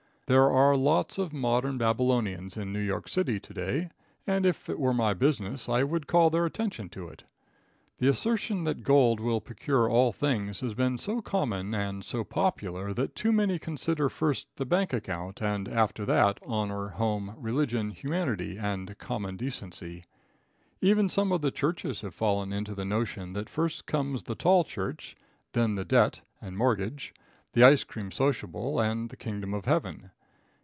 There are lots of modern Babylonians in New York City to day, and if it were my business I would call their attention to it. The assertion that gold will procure all things has been so common and so popular that too many consider first the bank account, and after that honor, home, religion, humanity and common decency. Even some of the churches have fallen into the notion that first comes the tall church, then the debt and mortgage, the ice cream sociable and the kingdom of Heaven.